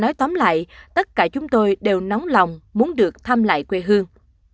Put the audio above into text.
nói tóm lại tất cả chúng tôi đều nóng lòng muốn được thăm lại quê hương